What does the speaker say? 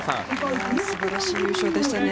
素晴らしい優勝でしたね。